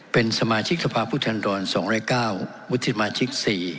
เป็นสมาชิกทภาพพุทธรรณ๒๐๙มุทธิสมาชิก๔